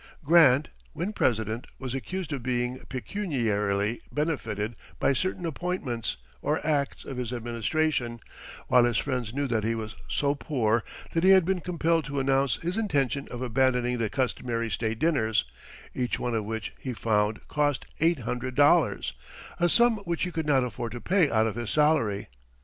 Grant, when President, was accused of being pecuniarily benefited by certain appointments, or acts, of his administration, while his friends knew that he was so poor that he had been compelled to announce his intention of abandoning the customary state dinners, each one of which, he found, cost eight hundred dollars a sum which he could not afford to pay out of his salary.